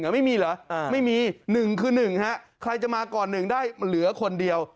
ไม่มีเหรอไม่มีหนึ่งคือหนึ่งฮะใครจะมาก่อนหนึ่งได้เหลือคนเดียว